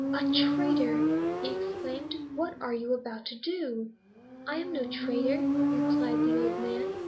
"Ah traitor!" he exclaimed; "what are you about to do?" "I am no traitor," replied the old man.